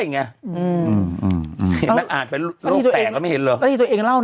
ห้องนั้นมีนี่นั่น